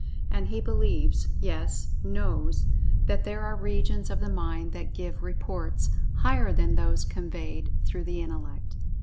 And he believes, yes, knows, that there are regions of the mind that give reports higher than those conveyed through the Intellect.